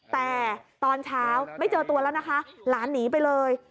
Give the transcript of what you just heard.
แต่ตอนเช้าไม่เจอตัวแล้วนะคะหลานหนีไปเลย